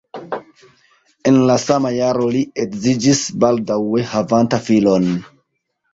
En la sama jaro li edziĝis baldaŭe havanta filon.